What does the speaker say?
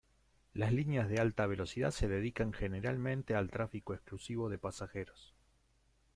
Las líneas de alta velocidad se dedican generalmente al tráfico exclusivo de pasajeros.